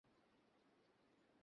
এই মেয়ের বাসা উত্তরায়।